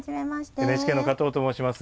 ＮＨＫの加藤と申します。